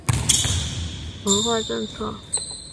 这个国家缺少一个统一的政府来实施语言和文化政策。